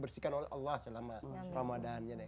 bersihkan oleh allah selama ramadannya